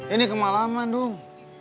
ini kemalaman dong